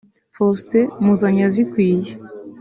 Faustin Muzanyazikwiye